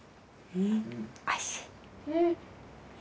うん。